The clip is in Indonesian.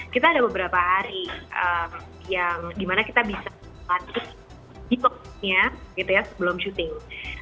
kita ada beberapa hari yang gimana kita bisa melatih di box nya gitu ya sebelum syuting